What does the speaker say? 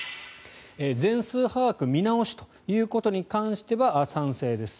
全数把握見直しということに関しては賛成です。